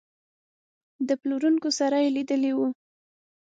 د پلورونکو سره یې لیدلي وو.